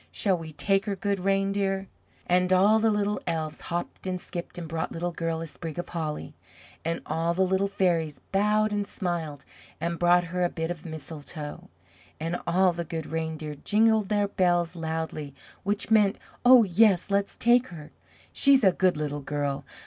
Shall we take her, Good Reindeer?" And all the Little Elves hopped and skipped and brought Little Girl a sprig of holly; and all the Little Fairies bowed and smiled and brought her a bit of mistletoe; and all the Good Reindeer jingled their bells loudly, which meant, "Oh, yes! let's take her! She's a good Little Girl!